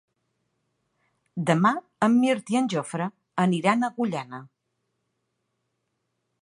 Demà en Mirt i en Jofre aniran a Agullana.